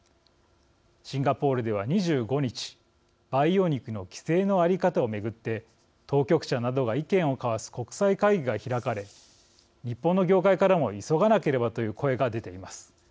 シンガポールでは、２５日培養肉の規制のあり方を巡って当局者などが意見を交わす国際会議が開かれ日本の業界からも急がなければという声が出ています。